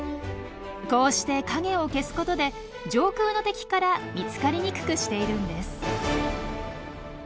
こうして影を消すことで上空の敵から見つかりにくくしているんです。